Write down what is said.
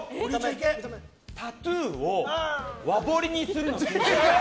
タトゥーを和彫りにするの禁止。